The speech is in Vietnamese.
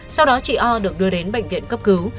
sau đó chị o được đưa đến bệnh viện cấp cứu